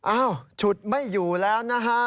อ้าวฉุดไม่อยู่แล้วนะฮะ